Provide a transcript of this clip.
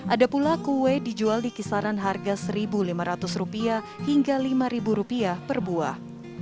ada pula kue dijual di kisaran harga rp satu lima ratus hingga rp lima per buah